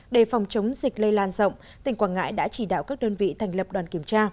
để phòng chống dịch lây lan rộng tỉnh quảng ngãi đã chỉ đạo các đơn vị thành lập đoàn kiểm tra